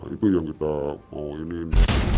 itu yang kita mau iniin